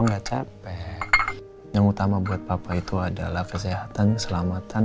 enggak capek yang utama buat papa itu adalah kesehatan selamatan